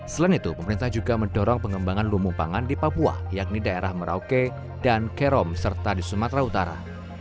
selain itu pemerintah juga mendorong pengembangan lumbung pangan di papua yakni daerah merauke dan kerom serta di sumatera utara